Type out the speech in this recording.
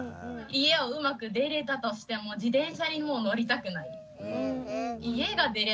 家をうまく出れたとしても自転車にもう乗りたくない。